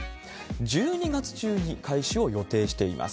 １２月中に開始を予定しています。